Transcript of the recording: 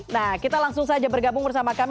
nah kita langsung saja bergabung bersama kami